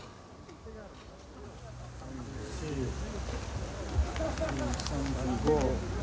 ３４。３５。